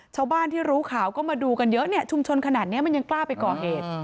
ชาวบ้านที่รู้ข่าวก็มาดูกันเยอะเนี่ยชุมชนขนาดนี้มันยังกล้าไปก่อเหตุ